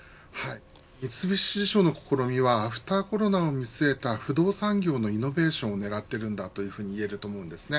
三菱地所の試みはアフターコロナを見据えた不動産業のイノベーションを狙っているんだというふうに言います。